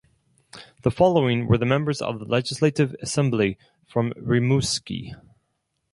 The following were the members of the Legislative Assembly from Rimouski.